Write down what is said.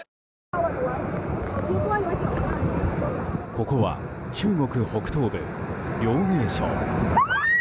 ここは中国北東部、遼寧省。